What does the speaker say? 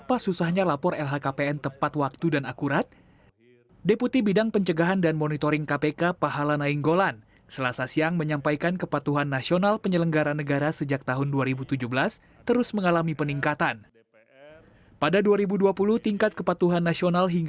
assalamualaikum warahmatullahi wabarakatuh